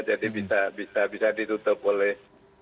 jadi bisa ditutup oleh